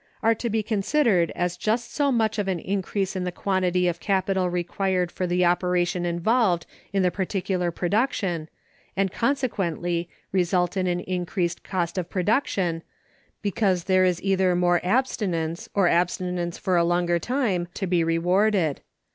are to be considered as just so much of an increase in the quantity of capital required for the operation involved in the particular production, and, consequently, result in an increased cost of production, because there is either more abstinence, or abstinence for a longer time, to be rewarded.